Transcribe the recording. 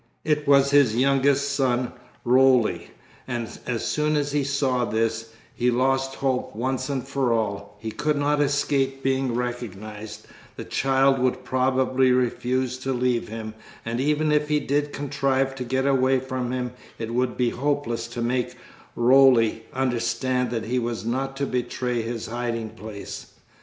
It was his youngest son, Roly, and as soon as he saw this, he lost hope once and for all; he could not escape being recognised, the child would probably refuse to leave him, and even if he did contrive to get away from him, it would be hopeless to make Roly understand that he was not to betray his hiding place.